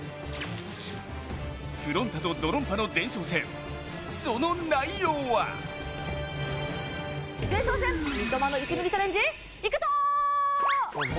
ふろん太とドロンパの前哨戦その内容は前哨戦、三笘の１ｍｍチャレンジ、行くぞ！